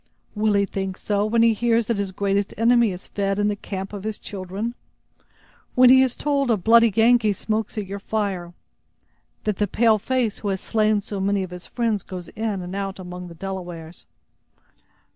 "Will he think so when he hears that his greatest enemy is fed in the camp of his children? When he is told a bloody Yengee smokes at your fire? That the pale face who has slain so many of his friends goes in and out among the Delawares?